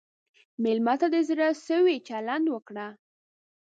مېلمه ته د زړه سوي چلند وکړه.